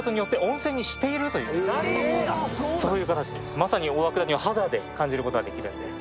まさに大涌谷を肌で感じることができます。